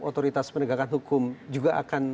otoritas penegakan hukum juga akan